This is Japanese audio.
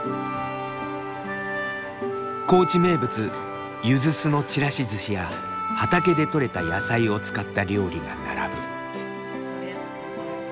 高知名物ゆず酢のちらし寿司や畑でとれた野菜を使った料理が並ぶ。